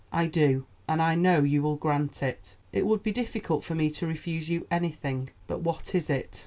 "I do; and I know you will grant it." "It would be difficult for me to refuse you anything; but what is it?"